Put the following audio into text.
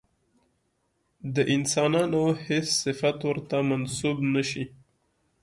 د انسانانو هېڅ صفت ورته منسوب نه شي.